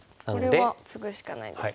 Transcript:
これはツグしかないですね。